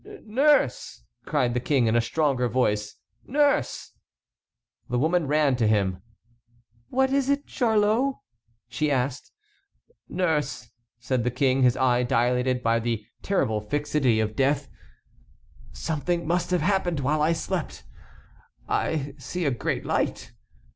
"Nurse!" cried the King, in a stronger voice, "nurse!" The woman ran to him. "What is it, Charlot?" she asked. "Nurse," said the King, his eye dilated by the terrible fixity of death, "something must have happened while I slept. I see a great light.